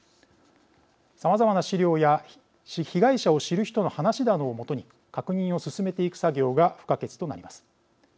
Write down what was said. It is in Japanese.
さまざまな資料や被害者を知る人の話などを基に確認を進めていく作業が不可欠となります。